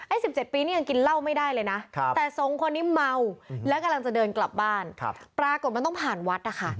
๑๗ปีนี่ยังกินเหล้าไม่ได้เลยนะแต่ทรงคนนี้เมาแล้วกำลังจะเดินกลับบ้านปรากฏมันต้องผ่านวัดนะคะ